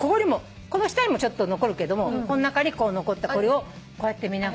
この下にもちょっと残るけどもこん中に残ったのを見ながら。